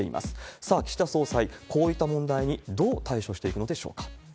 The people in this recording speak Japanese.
さあ、岸田総裁、こういった問題にどう対処していくのでしょうか。